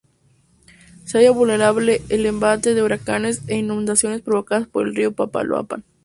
Se halla vulnerable al embate de huracanes e inundaciones provocadas por el río Papaloapan.